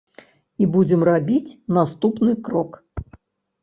І будзем рабіць наступны крок.